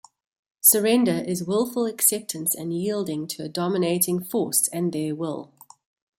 Surrender is willful acceptance and yielding to a dominating force and their will.